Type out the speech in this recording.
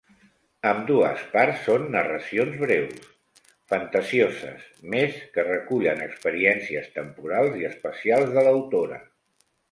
Ambdues parts són narracions breus, fantasioses, mes que recullen experiències temporals i espacials de l'autora.